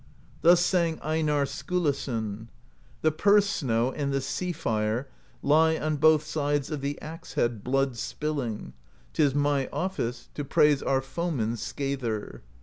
Thus sang Einarr Skillason: The Purse Snow and the Sea Fire Lie on both sides of the axe head Blood spilling; 't is my office To praise our foemen's Scather.